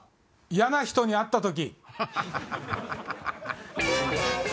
「嫌な人に会った時」。